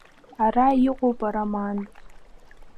Ара иҟоуп ароман…